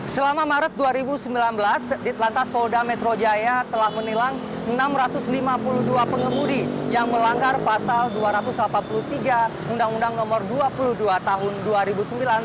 selama maret dua ribu sembilan belas di telantas polda metro jaya telah menilang enam ratus lima puluh dua pengemudi yang melanggar pasal dua ratus delapan puluh tiga undang undang no dua puluh dua tahun dua ribu sembilan